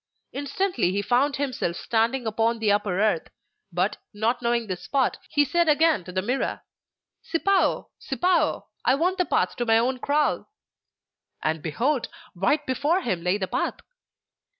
Instantly he found himself standing upon the upper earth; but, not knowing the spot, he said again to the Mirror: 'Sipao, Sipao, I want the path to my own kraal!' And behold! right before him lay the path!